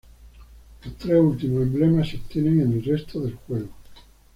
Los tres últimos emblemas se obtienen en el resto del juego.